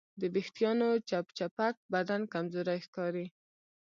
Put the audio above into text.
د وېښتیانو چپچپک بدن کمزوری ښکاري.